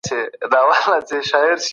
له شخړو څخه ځان لري وساتئ.